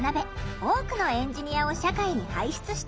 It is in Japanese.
多くのエンジニアを社会に輩出している。